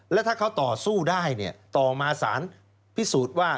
แล้วถ้าเขาต่อสู้ได้เนี่ยต่อมาสารพิสูจน์ว่า